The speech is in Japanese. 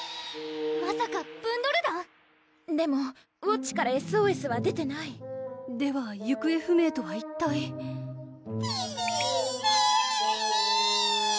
まさかブンドル団⁉でもウォッチからＳＯＳは出てないでは行方不明とは一体ピピピピピー！